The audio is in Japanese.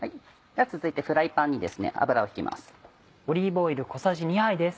続いてフライパンに油を引きます。